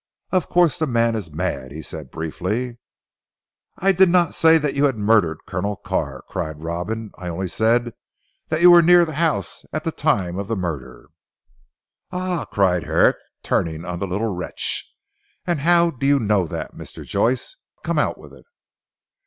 "Of course the man is mad," he said briefly. "I did not say that you had murdered Colonel Carr," cried Robin. "I only said that you were near the house at the time of the murder." "Ah!" cried Herrick turning on the little wretch, "and how do you know that Mr. Joyce? Come. Out with it."